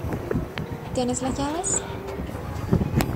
¿Tienes las llaves?